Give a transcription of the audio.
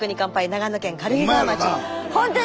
長野県軽井沢町。